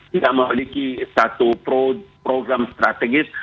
tidak memiliki satu program strategis